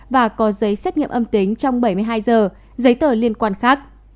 và có giấy xét nghiệm âm tính trong bảy mươi hai giờ giấy tờ liên quan khác